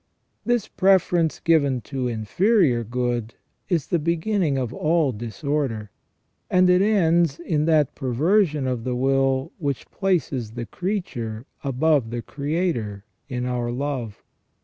This preference given to inferior good is the beginning of all disorder, and it ends in that perversion of the will which places the creature above the Creator in our love.